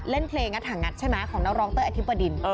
เล่นเพลงงัดหางัดใช่ไหมของนักร้องเต้ยอธิบดิน